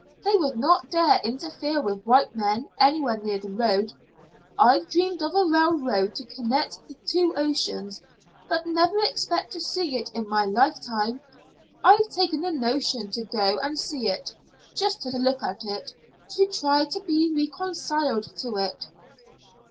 They would not dare interfere with white men anywhere near the road. I've dreamed of a railroad to connect the two oceans, but never expected to see it in my lifetime. I've taken a notion to go and see it just to look at it, to try to be reconciled to it."